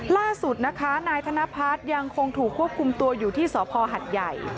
ล่าสุดนะคะนายธนพัฒน์ยังคงถูกควบคุมตัวอยู่ที่สพหัดใหญ่